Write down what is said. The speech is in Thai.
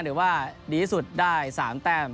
หรือว่าดีที่สุดได้๓แต้ม